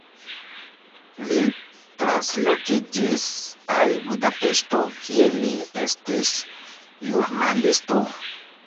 Li translokiĝis al Budapeŝto, kie li estis ĵurnalisto.